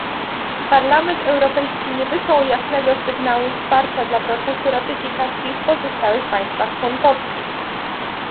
Parlament Europejski nie wysłał jasnego sygnału wsparcia dla procesu ratyfikacji w pozostałych państwach członkowskich